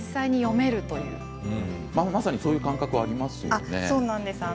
まさにそういう感覚はありますよね。